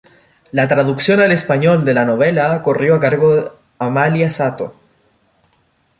La traducción al español de la novela corrió a cargo Amalia Sato.